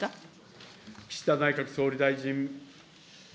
岸田内閣総理大臣。